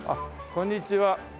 こんにちは。